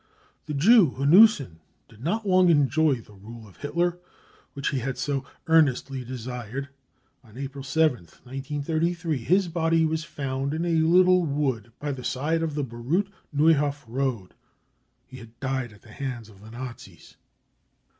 The Jew Hanussen did not long enjoy the rule of Hitler which he had so earnestly desired. On April 7th, 1933, his body was found in a little wood by the side of the Baruth Neuhof road. He had died at the hands of the Nazis.